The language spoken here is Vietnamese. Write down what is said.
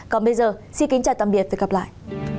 còn bây giờ xin kính chào tạm biệt và hẹn gặp lại